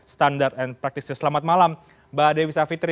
standard and practicers selamat malam mbak dewi savitri